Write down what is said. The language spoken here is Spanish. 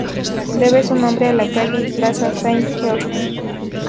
Debe su nombre a la calle y plaza Saint-Georges.